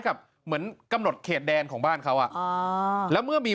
กับเหมือนกำหนดเขตแดนของบ้านเขาอ่ะอ๋อแล้วเมื่อมี